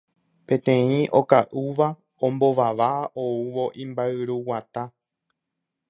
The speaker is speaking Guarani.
Peteĩ oka'úva ombovava oúvo imba'yruguata.